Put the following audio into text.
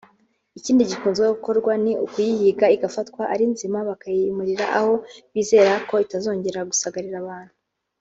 Ikindi gikunze gukorwa ni ukuyihiga igafatwa ari nzima bakayimura aho bizera ko itazongera gusagarira abantu